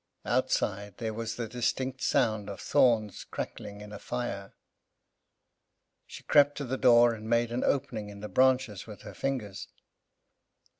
Outside, there was the distinct sound of thorns crackling in a fire. She crept to the door and made an opening in the branches with her fingers.